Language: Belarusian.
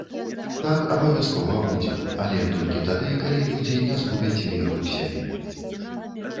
Так абавязкова будзе, але толькі тады, калі людзі не згубяць веру ў сябе.